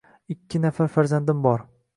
Ikki nafar farzandim bor.